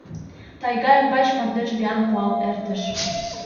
Тайга ӱмбач мардеж виян пуал эртыш.